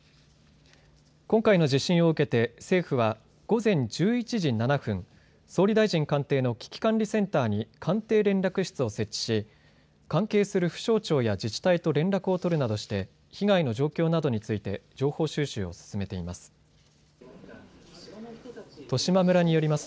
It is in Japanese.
今回の地震を受けて政府は午前１１時７分総理大臣官邸の危機管理センターに官邸連絡室を設置し関係する府省庁や自治体と連絡を取るなどして被害の状況などについて情報収集を進めています。